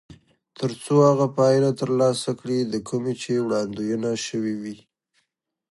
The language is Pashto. تر څو هغه پایله ترلاسه کړي د کومې چې وړاندوينه شوې وي.